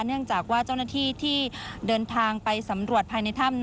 เนื่องจากว่าเจ้าหน้าที่ที่เดินทางไปสำรวจภายในถ้ำ